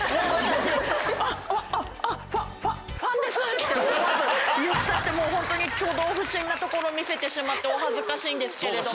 って大声で言っちゃってホントに挙動不審なところ見せてしまってお恥ずかしいんですけれども。